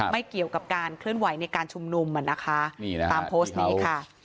ไม่เกี่ยวกับการเคลื่อนไหวในการชุมนุมอ่ะนะคะนี่นะตามโพสต์นี้ค่ะ